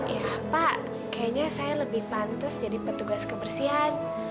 ya pak kayaknya saya lebih pantes jadi petugas kebersihan